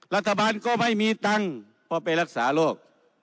รัฐบาลก็ไม่มีตังค์เพราะไปรักษาโรค